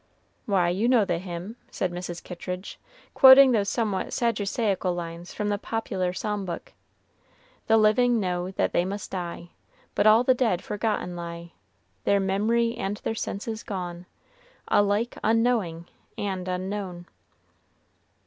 "Why, you know the hymn," said Mrs. Kittridge, quoting those somewhat saddusaical lines from the popular psalm book: "'The living know that they must die, But all the dead forgotten lie Their memory and their senses gone, Alike unknowing and unknown.'"